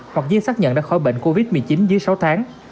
hoặc riêng xác nhận đã khỏi bệnh covid một mươi chín dưới sáu tháng